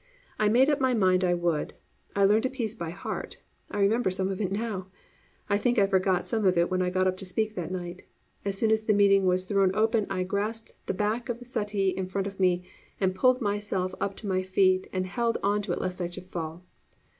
I made up my mind I would. I learned a piece by heart. I remember some of it now. I think I forgot some of it when I got up to speak that night. As soon as the meeting was thrown open I grasped the back of the settee in front of me and pulled myself up to my feet and held on to it lest I should fall.